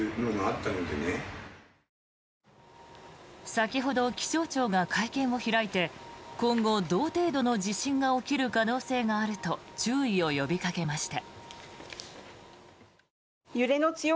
先ほど気象庁が会見を開いて今後、同程度の地震が起きる可能性があると注意を呼びかけました。